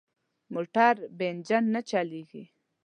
موټر بې انجن نه چلېږي.